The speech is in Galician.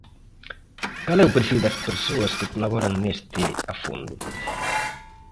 Cal é o perfil das persoas que colaboran neste "A Fondo"?